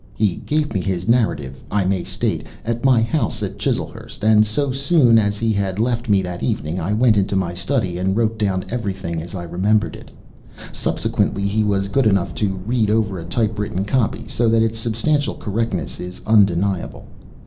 He gave me his narrative, I may state, at my house at Chislehurst, and so soon as he had left me that evening, I went into my study and wrote down everything as I remembered it. Subsequently he was good enough to read over a type written copy, so that its substantial correctness is undeniable.